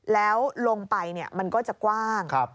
แล้วลงไปมันก็จะกว้าง